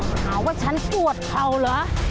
หาว่าฉันปวดเข่าเหรอ